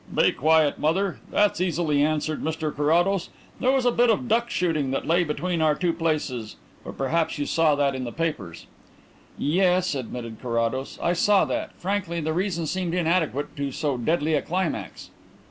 "Be quiet, mother. That's easily answered, Mr Carrados. There was a bit of duck shooting that lay between our two places. But perhaps you saw that in the papers?" "Yes," admitted Carrados, "I saw that. Frankly, the reason seemed inadequate to so deadly a climax."